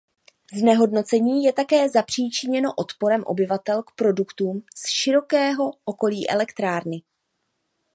Znehodnocení je také zapříčiněno odporem obyvatel k produktům z širokého okolí elektrárny.